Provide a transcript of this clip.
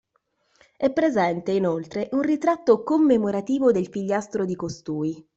È presente, inoltre, un ritratto commemorativo del figliastro di costui.